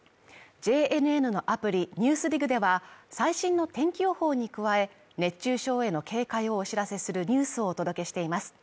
ＪＮＮのアプリ「ＮＥＷＳＤＩＧ」では、最新の天気予報に加え、熱中症への警戒をお知らせするニュースをお届けしています。